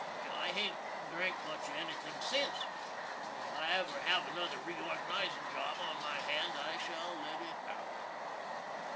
I hain't drank much of anythin' since, and if I ever have another reorganizin' job on hand I shall let it out.